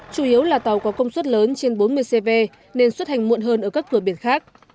chủ yếu là tàu có công suất lớn trên bốn mươi cv nên xuất hành muộn hơn ở các cửa biển khác